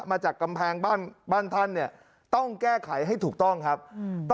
มาจากกำแพงบ้านบ้านท่านเนี่ยต้องแก้ไขให้ถูกต้องครับอืมต้อง